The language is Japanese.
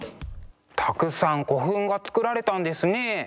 たくさん古墳が造られたんですね。